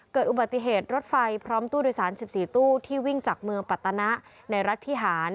เกิดอุบัติเหตุรถไฟพร้อมตู้โดยสาร๑๔ตู้ที่วิ่งจากเมืองปัตนะในรัฐพิหาร